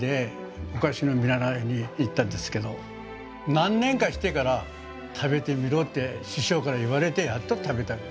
何年かしてから食べてみろって師匠から言われてやっと食べた。